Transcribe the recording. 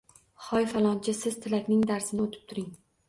— Hoy Falonchi, Siz Tilakning darsini o‘tib turing.